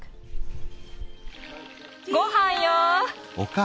・ごはんよ！